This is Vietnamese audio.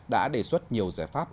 đã đề xuất nhiều giải pháp